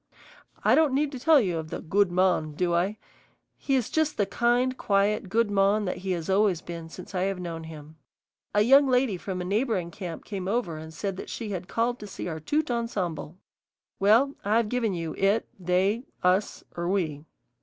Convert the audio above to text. I don't need to tell you of the "good mon," do I? He is just the kind, quiet good mon that he has always been since I have known him. A young lady from a neighboring camp came over and said she had called to see our tout ensemble. Well, I've given you it, they, us, or we.